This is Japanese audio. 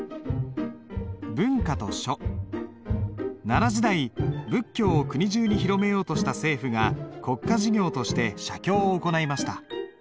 奈良時代仏教を国中に広めようとした政府が国家事業として写経を行いました。